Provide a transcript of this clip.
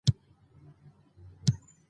موږ باید انصاف ولرو.